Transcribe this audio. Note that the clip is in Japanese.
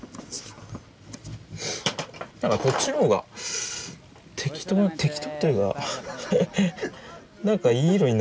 何かこっちの方が適当適当というか何かいい色になるんですよね